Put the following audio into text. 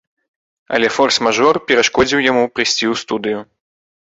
Але форс-мажор перашкодзіў яму прыйсці ў студыю.